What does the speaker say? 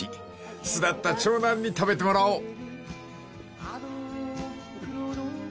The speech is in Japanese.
［巣立った長男に食べてもらおう］